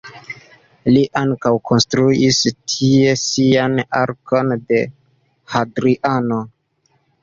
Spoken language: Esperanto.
Li ankaŭ konstruis tie sian Arkon de Hadriano.